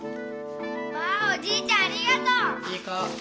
わあおじいちゃんありがとう。